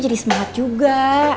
jadi semangat juga